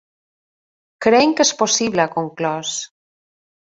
Creiem que és possible, ha conclòs.